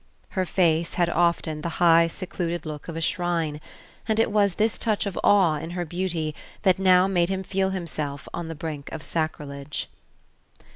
Her face had often the high secluded look of a shrine; and it was this touch of awe in her beauty that now made him feel himself on the brink of sacrilege.